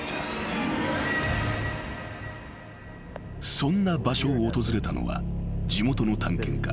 ［そんな場所を訪れたのは地元の探検家］